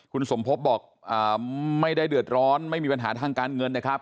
คุณสมภพบอกไม่ได้เดือดร้อนไม่มีปัญหาทางการเงินนะครับ